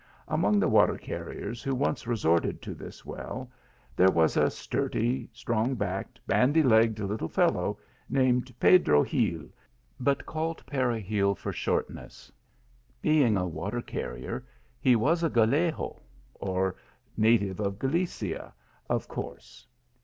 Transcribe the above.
Among the water carriers who once resorted to this well there was a sturdy, strong backed, bandy legged little fellow, named Pedro Gil, but called Peregil for shortness. Being a water carrier, he was a Gallego, or native of Gallicia, of course.